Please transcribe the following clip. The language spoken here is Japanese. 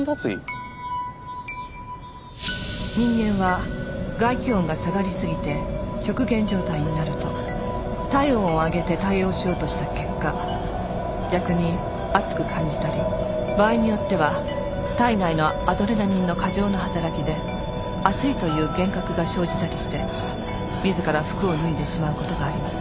人間は外気温が下がりすぎて極限状態になると体温を上げて対応しようとした結果逆に暑く感じたり場合によっては体内のアドレナリンの過剰な働きで暑いという幻覚が生じたりして自ら服を脱いでしまう事があります。